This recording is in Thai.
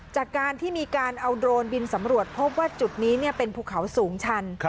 จากการที่มีการเอาโดรนบินสำรวจพบว่าจุดนี้เป็นภูเขาสูงชัน